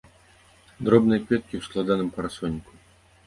Дробныя кветкі ў складаным парасоніку.